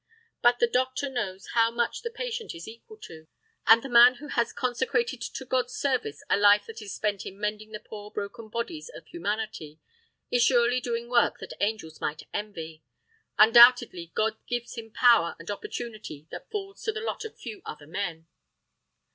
But the doctor knows how much the patient is equal to. And the man who has consecrated to God's service a life that is spent in mending the poor broken bodies of humanity is surely doing work that angels might envy; undoubtedly God gives him power and opportunity that falls to the lot of few other men.